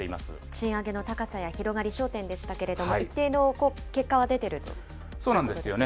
賃上げの高さや広がり、焦点でしたけれども、一定の結果は出そうなんですよね。